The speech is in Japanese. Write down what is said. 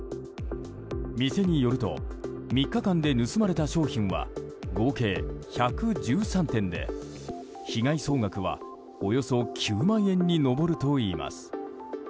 店によると３日間で盗まれた商品は合計１１３点で被害総額はおよそ９万円に上るといいます。